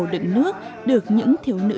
đựng nước được những thiếu nữ